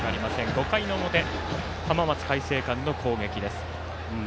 ５回表、浜松開誠館の攻撃です。